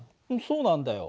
そうなんだよ。